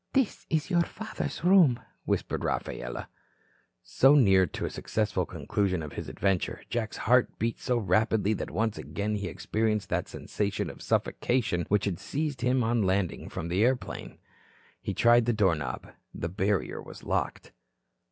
"This is your father's room," whispered Rafaela. So near to a successful conclusion of his adventure, Jack's heart beat so rapidly that once again he experienced that sensation of suffocation which had seized him on landing from the airplane. He tried the door knob. The barrier was locked.